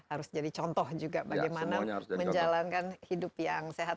harus jadi contoh juga bagaimana menjalankan hidup yang sehat